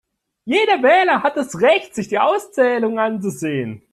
Jeder Wähler hat das Recht, sich die Auszählung anzusehen.